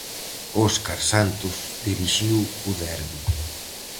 Óscar Santos dirixiu o derbi.